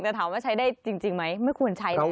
แต่ถามว่าใช้ได้จริงไหมไม่ควรใช้นะคะ